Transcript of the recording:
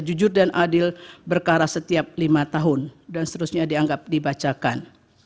jujur dan adil berkara setiap lima tahun dan seterusnya dianggap dibacakan